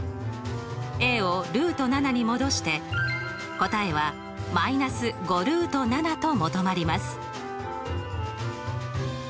をに戻して答えは−５と求まります。